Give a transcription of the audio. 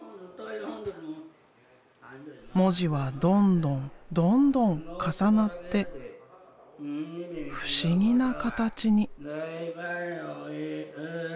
文字はどんどんどんどん重なって不思議な形に。